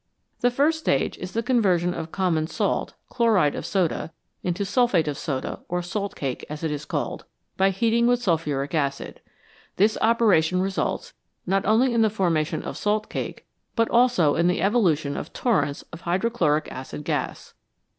The first stage is the conversion of common salt (chloride of soda) into sulphate of soda, or " salt cake," as it is called, by heating with sulphuric acid. This operation results, not only in the formation of salt cake, but also in the evolution of torrents of hydrochloric acid gas.